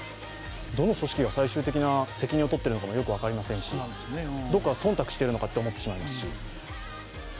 どの組織が最終的な責任を取っているのかも分かりませんし、どこかがそんたくしているのかと思ってしまいますし。